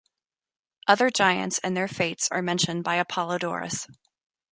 Other Giants and their fates are mentioned by Apollodorus.